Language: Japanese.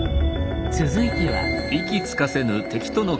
続いては。